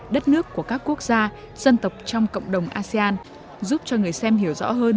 đất nước của các quốc gia dân tộc trong cộng đồng asean giúp cho người xem hiểu rõ hơn